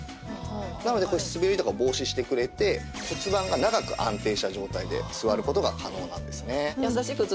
なのでこれ滑りとか防止してくれて骨盤が長く安定した状態で座る事が可能なんですね。